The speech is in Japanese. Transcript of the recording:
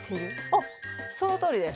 あっそのとおりです。